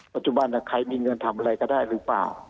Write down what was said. ปัจจุบันใครมีเงินทำอะไรก็ได้หรือเปล่า